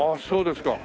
そうです。